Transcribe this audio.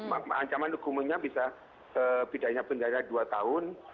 ancaman hukumnya bisa pidanya pendana dua tahun